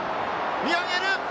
見上げる！